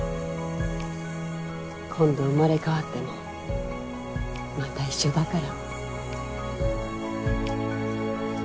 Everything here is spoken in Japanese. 今度生まれ変わってもまた一緒だから。